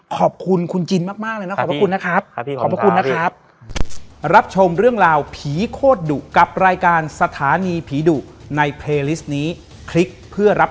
ขอบคุณคุณจินมากเลยนะขอบพระคุณนะครับ